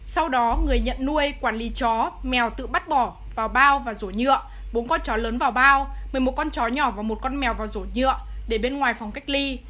sau đó người nhận nuôi quản lý chó mèo tự bắt bỏ vào bao và rổ nhựa bốn con chó lớn vào bao một mươi một con chó nhỏ và một con mèo vào rổ nhựa để bên ngoài phòng cách ly